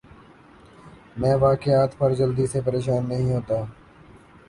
میں واقعات سے جلدی سے پریشان نہیں ہوتا